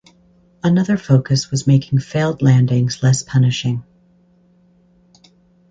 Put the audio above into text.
Another focus was making failed landings less punishing.